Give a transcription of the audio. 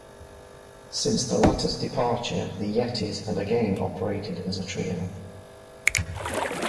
Since the latter's departure, The Yetties have again operated as a trio.